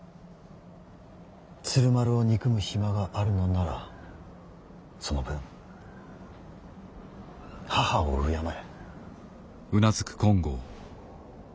鶴丸を憎む暇があるのならその分母を敬え。